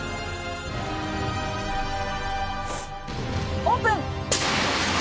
オープン！